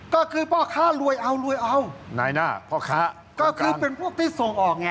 ก็คือพ่อค้ารวยเอารวยเอานายหน้าพ่อค้าก็คือเป็นพวกที่ส่งออกไง